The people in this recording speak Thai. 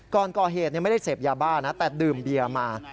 ก่อนก่อเหตุไม่ได้เสพยาบ้านะแต่ดื่มเบียร์มา